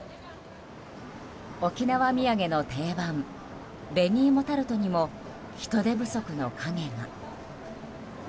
沖縄土産の定番紅いもタルトにも人手不足の影が。